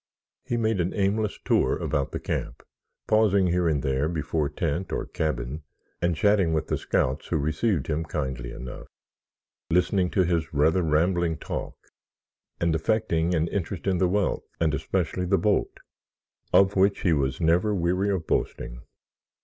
He made an aimless tour about the camp, pausing here and there before tent or cabin and chatting with the scouts who received him kindly enough, listening to his rather rambling talk and affecting an interest in the wealth and especially the boat, of which he was never weary of boasting.